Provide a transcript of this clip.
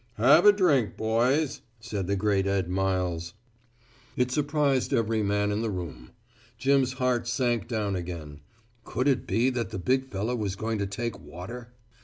"Have a drink, boys," said the great Ed Miles. It surprised every man in the room. Jim's heart sank down again. Could it be that the big fellow was going to take water?